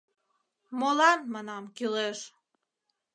— Молан, манам, кӱлеш.